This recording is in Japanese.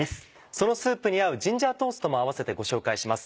そのスープに合う「ジンジャートースト」も併せてご紹介します。